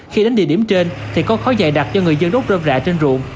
khi đến địa điểm trên thì có khói dày đặc do người dân đốt rơm rạ trên ruộng